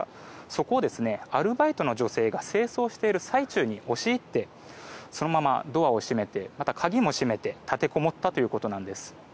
そこをアルバイトの女性が清掃している最中に押し入ってそのままドアを閉めてまた鍵も閉めて立てこもったということです。